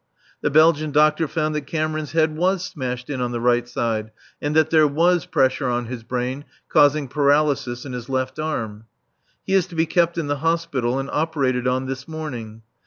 The Belgian doctor found that Cameron's head was smashed in on the right side, and that there was pressure on his brain, causing paralysis in his left arm. He is to be kept in the Hospital and operated on this morning.